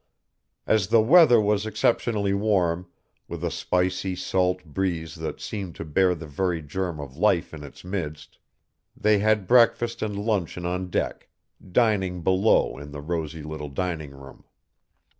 As the weather was exceptionally warm, with a spicy salt breeze that seemed to bear the very germ of life in its midst, they had breakfast and luncheon on deck, dining below in the rosy little dining room.